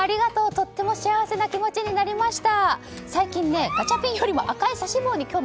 とっても幸せな気持ちになりました。